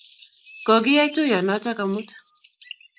Ko kiyai tuyonotok amut